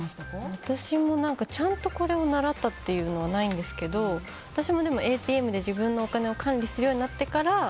私もちゃんとこれを習ったというのはないんですけど私もＡＴＭで自分のお金を管理するようになってから。